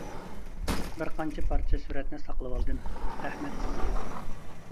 بىر قانچە پارچە سۈرەتنى ساقلىۋالدىم، رەھمەت سىزگە!